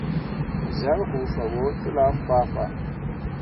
Zyak huu fah ɓo telah fãhnfãhn.